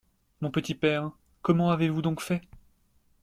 Mon petit père, comment avez-vous donc fait?